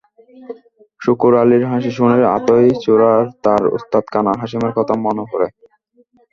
শুকুর আলীর হাসি শুনে আতই চোরার তার ওস্তাদ কানা হাশিমের কথা মনে পড়ে।